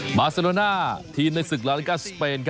ฮบาเซโลนาทีมในสืกเหล้าละกาลสเปน